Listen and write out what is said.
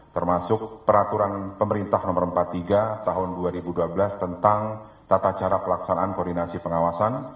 termasuk peraturan pemerintah nomor empat puluh tiga tahun dua ribu dua belas tentang tata cara pelaksanaan koordinasi pengawasan